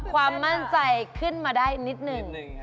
ความมั่นใจขึ้นมาได้นิดหนึ่ง